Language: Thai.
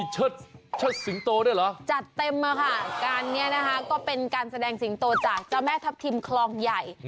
เชิดสิงโตด้วยเหรอจัดเต็มมาค่ะการนี้นะคะก็เป็นการแสดงสิงโตจากเจ้าแม่ทัพทิมคลองใหญ่